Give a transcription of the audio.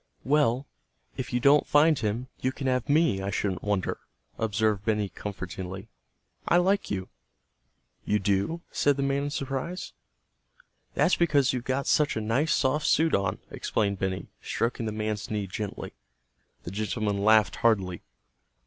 "Well, if you don't find him, you can have me, I shouldn't wonder," observed Benny comfortingly. "I like you." "You do?" said the man in surprise. "That's because you've got such a nice, soft suit on," explained Benny, stroking the man's knee gently. The gentleman laughed heartily.